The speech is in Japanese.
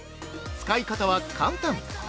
使い方は簡単。